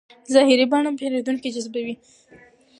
ظاهري بڼه پیرودونکی جذبوي.